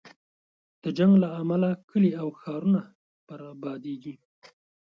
د جنګ له امله کلی او ښارونه بربادېږي.